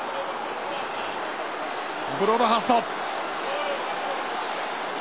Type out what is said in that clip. ブロードハースト。